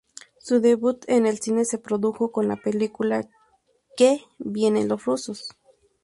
Su debut en el cine se produjo con la película "¡Que vienen los rusos!